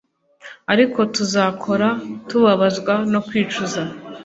Ariko tuzakora tubabazwa no kwicuza